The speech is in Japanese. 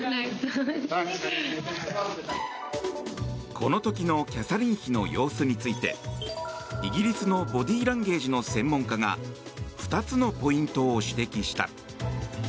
この時のキャサリン妃の様子についてイギリスのボディーランゲージの専門家が２つのポイントを指摘した。